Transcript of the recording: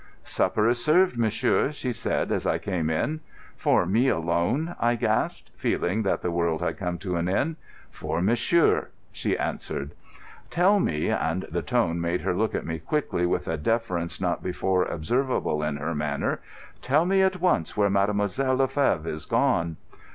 "Supper is served, monsieur," she said, as I came in. "For me alone?" I gasped, feeling that the world had come to an end. "For monsieur," she answered. "Tell me"—and the tone made her look at me quickly with a deference not before observable in her manner—"tell me at once where Mademoiselle le Fevre is gone."